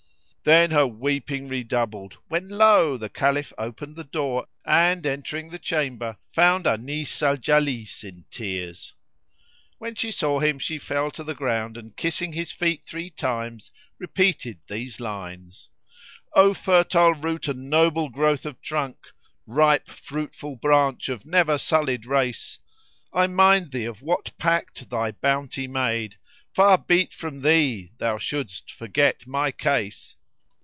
Then her weeping redoubled; when lo! the Caliph opened the door and, entering the chamber, found Anis al Jalis in tears. When she saw him she fell to the ground and kissing his feet three times repeated these lines, "O fertile root and noble growth of trunk; * Ripe fruitful branch of never sullied race; I mind thee of what pact thy bounty made; * Far be 't from thee thou should'st forget my case!"